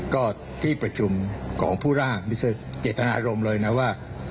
ก็ที่ประชุมของผู้ร่างไม่ใช่เจตนารมณ์เลยนะว่า